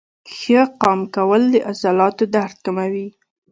ښه قام کول د عضلاتو درد کموي.